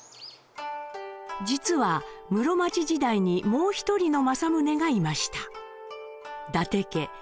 実は室町時代にもう一人の政宗がいました。